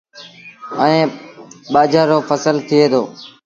ائيٚݩ ٻآجھر رو ڦسل ٿئي دو۔